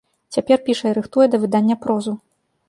Цяпер піша і рыхтуе да выдання прозу.